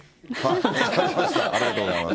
ありがとうございます。